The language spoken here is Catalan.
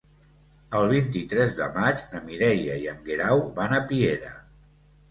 El vint-i-tres de maig na Mireia i en Guerau van a Piera.